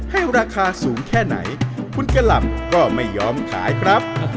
ให้ราคาสูงแค่ไหนคุณกะหล่ำก็ไม่ยอมขายครับ